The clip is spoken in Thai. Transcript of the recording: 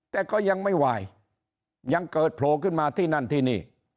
แต่ก็ยังไม่ไหวยังเกิดโผล่ขึ้นมาที่นั่นที่นี่